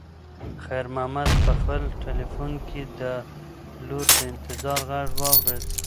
خیر محمد په خپل تلیفون کې د لور د انتظار غږ واورېد.